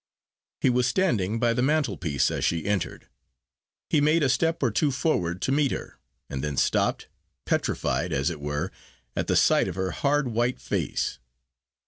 He was standing by the mantelpiece as she entered. He made a step or two forward to meet her; and then stopped, petrified, as it were, at the sight of her hard white face.